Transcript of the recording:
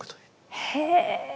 へえ。